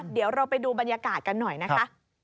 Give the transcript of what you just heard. เดี๋ยวเราไปดูบรรยากาศกันหน่อยนะคะ